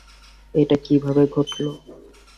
এটা কীভাবে ঘটল?